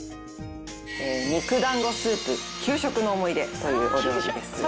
肉団子スープ給食の思い出というお料理です。